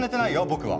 僕は！